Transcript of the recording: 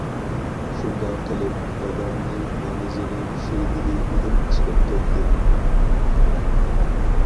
شۇنداق قىلىپ دادامنى نامىزىنى چۈشۈرگىلى ئېلىپ چىقىپ كەتتى.